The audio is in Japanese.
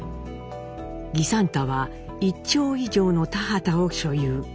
儀三太は一町以上の田畑を所有。